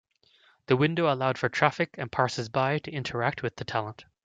The window allowed for traffic and passers by to interact with the talent.